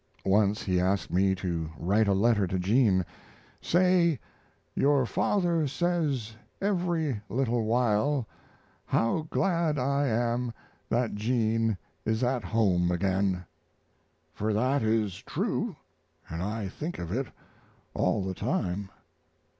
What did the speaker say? Once he asked me to write a letter to Jean: "Say, 'Your father says every little while, "How glad I am that Jean is at home again!"' for that is true and I think of it all the time."